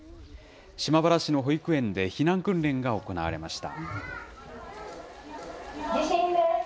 島原市の保育園で避難訓練が行われました。